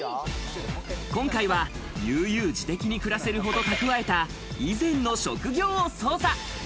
今回は悠々自適に暮らせるほど蓄えた、以前の職業を捜査。